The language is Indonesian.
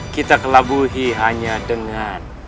kita kelabuhi hanya dengan